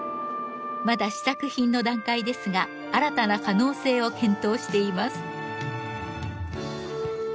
まだ試作品の段階ですが新たな可能性を検討しています。